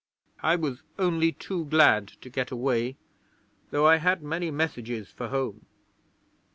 I was only too glad to get away, though I had many messages for home.